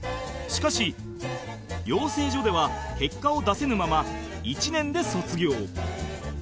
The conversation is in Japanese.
しかし養成所では結果を出せぬまま１年で卒業